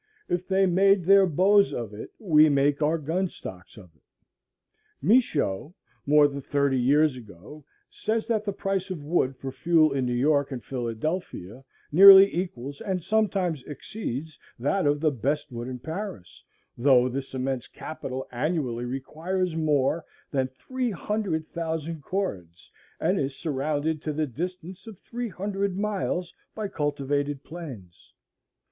If they made their bows of it, we make our gun stocks of it. Michaux, more than thirty years ago, says that the price of wood for fuel in New York and Philadelphia "nearly equals, and sometimes exceeds, that of the best wood in Paris, though this immense capital annually requires more than three hundred thousand cords, and is surrounded to the distance of three hundred miles by cultivated plains."